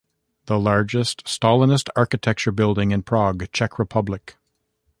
The largest Stalinist architecture building in Prague, Czech Republic.